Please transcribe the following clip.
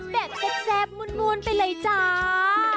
แบบแป๊บแจ๊บมุนไปเลยจ้า